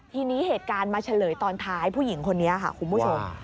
ทีนี้เหตุการณ์มาเฉลยตอนท้ายผู้หญิงคนนี้ค่ะคุณผู้ชม